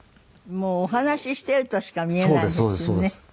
もうお話ししているとしか見えないですよね。